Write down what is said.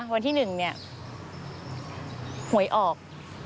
วันที่๑หวยออก